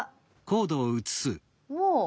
もう。